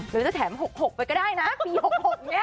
หรือจะแถม๖๖ไปก็ได้นะปี๖๖เนี่ย